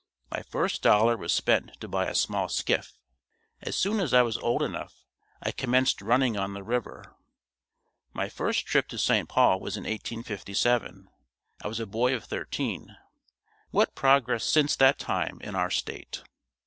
My first dollar was spent to buy a small skiff. As soon as I was old enough, I commenced running on the river. My first trip to St. Paul was in 1857. I was a boy of thirteen. What progress since that time in our state!